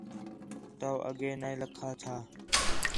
تو اَگے نَے لَکھا چھا